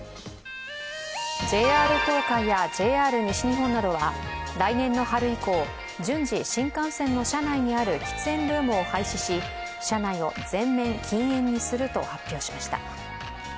ＪＲ東海やＪＲ西日本などは、来年の春以降、順次、新幹線の車内にある喫煙ルームを廃止し、車内を全面禁煙にすると発表しました。